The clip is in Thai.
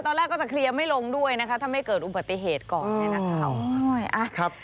๕๐๐ตอนแรกจะเคลียรไม่ลงด้วยถ้าไม่เกิดอุบัติเหตุก่อน